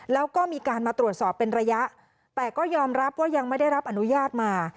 แล้วก็มีการมาตรวจสอบเป็นระยะแต่ก็ยอมรับว่ายังไม่ได้รับอนุญาตมา